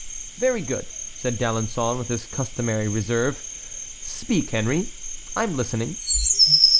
"Very good!" said D'Alençon with his customary reserve. "Speak, Henry, I am listening."